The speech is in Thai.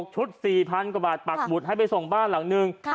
ชุด๔๐๐๐กว่าบาทปักหมุดให้ไปส่งบ้านหลังนึง